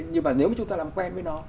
nhưng mà nếu chúng ta làm quen với nó